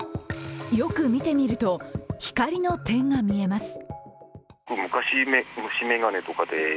よく見てみると光の点が見えます。